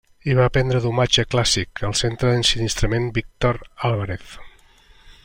I va aprendre domatge clàssic al Centre d'Ensinistrament Víctor Álvarez.